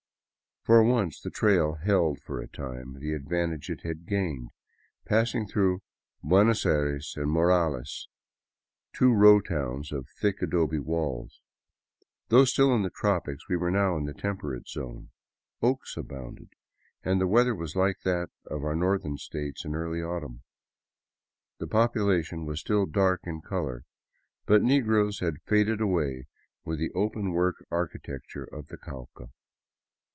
For once the trail held for a time the advantage it had gained, pass ing through Buenos Aires and Morales, two row towns of thick adobe walls. Though still in the tropics, we were now in the temperate zone. Oaks abounded, and the weather was like that of our northern states in early autumn. The population was still dark in color, but negroes had faded away with the open work architecture of the Cauca.